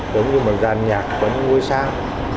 giống như một gian nhạc có những ngôi sao